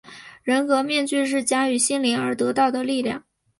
人格面具是驾驭心灵而得到的力量。